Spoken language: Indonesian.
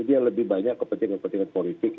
dia lebih banyak kepentingan kepentingan politik